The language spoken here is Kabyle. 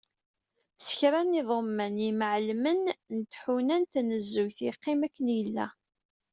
S kra n yiḍumman n yimεellmen n tḥuna n tnezzuyt, yeqqim akken yella.